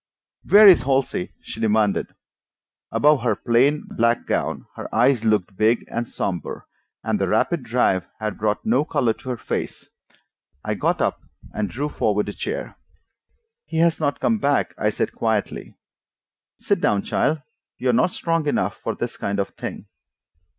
"Where is Halsey?" she demanded. Above her plain black gown her eyes looked big and somber, and the rapid drive had brought no color to her face. I got up and drew forward a chair. "He has not come back," I said quietly. "Sit down, child; you are not strong enough for this kind of thing."